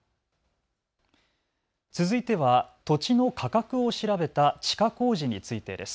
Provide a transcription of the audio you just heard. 続いては土地の価格を調べた地価公示についてです。